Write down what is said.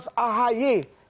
dia marah membelat